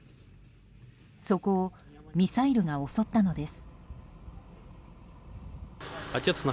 そこをミサイルが襲ったのです。